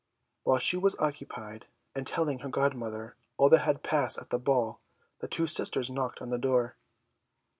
While she was occupied in telling her godmother all that had passed at the ball, the two sisters knocked at the door.